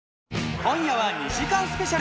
今夜は２時間スペシャル。